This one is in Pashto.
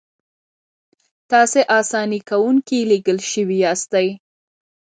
تاسې اساني کوونکي لېږل شوي یاستئ.